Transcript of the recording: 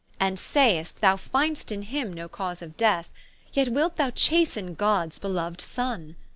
And saist, thou find'st in him no cause of death, Yet wilt thou chasten Gods beloued Sonne.